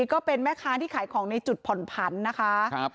ก็เป็นแม่ค้าที่ขายของในจุดผ่อนผันนะคะ